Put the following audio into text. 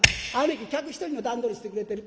き客１人の段取りしてくれてる。